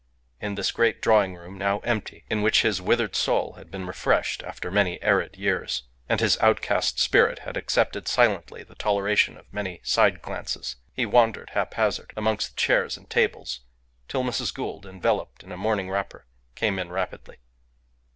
In this great drawing room, now empty, in which his withered soul had been refreshed after many arid years and his outcast spirit had accepted silently the toleration of many side glances, he wandered haphazard amongst the chairs and tables till Mrs. Gould, enveloped in a morning wrapper, came in rapidly.